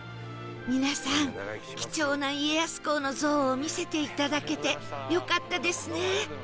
皆さん貴重な家康公の像を見せていただけてよかったですね